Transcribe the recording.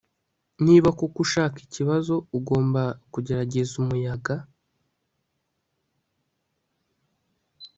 Niba koko ushaka ikibazo ugomba kugerageza umuyaga